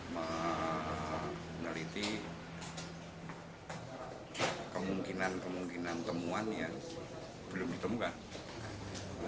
meneliti kemungkinan kemungkinan temuan yang belum ditemukan